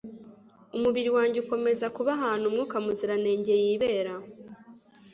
umubiri wanjye ukomeze kuba ahantu mwuka muziranenge yibera